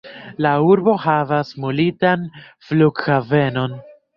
La urbo havas militan flughavenon.